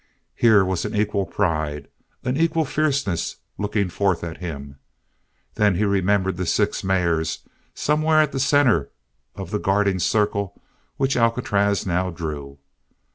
Here was an equal pride, an equal fierceness looking forth at him. Then he remembered the six mares somewhere at the center of the guarding circle which Alcatraz now drew.